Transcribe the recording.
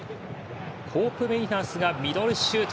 コープメイナースがミドルシュート。